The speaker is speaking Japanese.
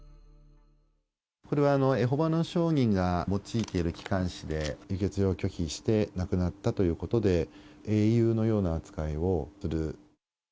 これは、エホバの証人が用いている機関誌で、輸血を拒否して亡くなったということで、英雄のような扱いをする。